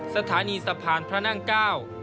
สถานีสะพานพระนั่งเก้า